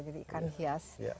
jadi ikan hias